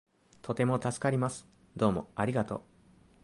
とても助かります。どうもありがとう